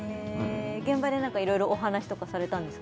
現場でなんか色々お話とかされたんですか？